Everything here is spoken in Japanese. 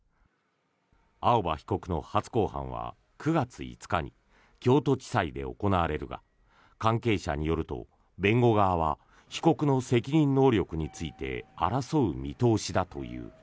青葉被告の初公判は９月５日に京都地裁で行われるが関係者によると弁護側は被告の責任能力について争う見通しだという。